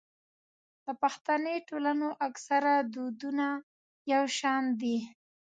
د پښتني ټولنو اکثره دودونه يو شان دي.